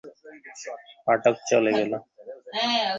পাঠক চলে গেল।